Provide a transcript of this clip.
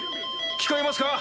聞こえますか？